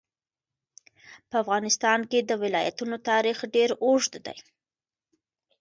په افغانستان کې د ولایتونو تاریخ ډېر اوږد دی.